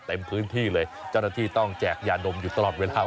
เต็มพื้นที่เลยเจ้าหน้าที่ต้องแจกยาดมอยู่ตลอดเวลา